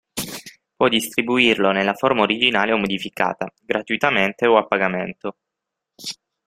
Può distribuirlo nella forma originale o modificata, gratuitamente o a pagamento.